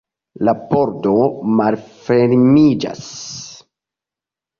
La pordo malfermiĝas.